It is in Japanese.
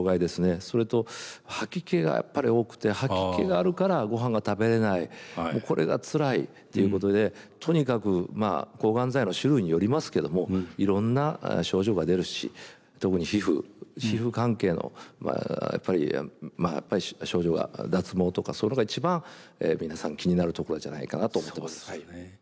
それと吐き気がやっぱり多くて吐き気があるからごはんが食べれないこれがつらいっていうことでとにかく抗がん剤の種類によりますけどもいろんな症状が出るし特に皮膚皮膚関係のやっぱり症状が脱毛とかそういうのが一番皆さん気になるところじゃないかなと思ってます。